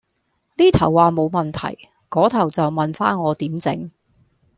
呢頭話冇問題，嗰頭就問返我點整